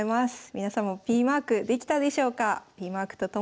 皆さんもＰマークできたでしょうか？